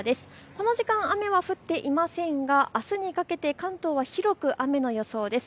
この時間、雨は降っていませんがあすにかけて関東は広く雨の予想です。